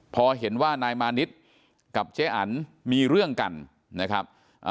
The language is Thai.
พอเห็นว่านายมานิดกับเจ๊อันมีเรื่องกันนะครับ